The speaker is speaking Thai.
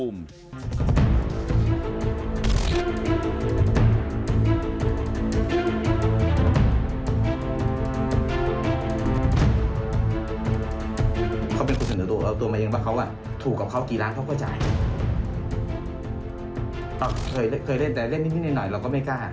มันเปิดปากกับภาคภูมิ